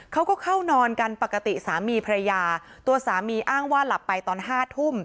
เขาก็เข้านอนกันปกติสามีภรรยาตัวสามีอ้างว่าหลับไปตอน๕ทุ่ม